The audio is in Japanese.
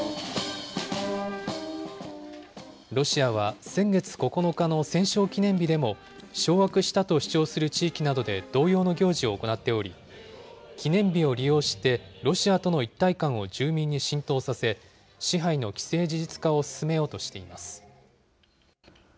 ロシアは先月９日の戦勝記念日でも、掌握したと主張する地域などで同様の行事を行っており、記念日を利用してロシアとの一体感を住民に浸透させ、支配の既成事実化を進めようとしています。